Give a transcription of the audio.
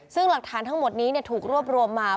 ซึ่งหลักฐานทั้งหมดนี้ถูกรวบรวมมา